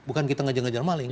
bukan kita ngajar ngejar maling